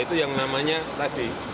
itu yang namanya tadi